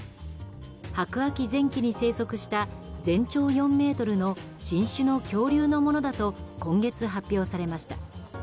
白亜紀前期に生息した全長４ｍの新種の恐竜のものだと今月発表されました。